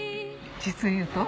実を言うと。